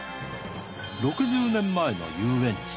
６０年前の遊園地。